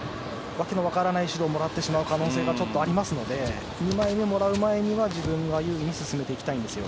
訳のわからない指導をもらってしまう可能性があるので２枚目もらう前に自分が優位に進めていきたいんです。